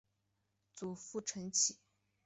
祖父陈启。